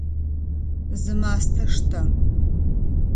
Зы мастэ штэ!